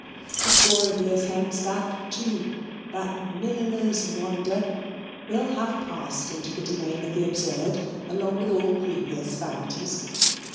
A score of years hence that too, that milliner's wonder, will have passed into the domain of the absurd, along with all previous vanities.